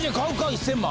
１０００万。